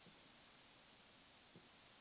د میوو سینګار یو هنر دی.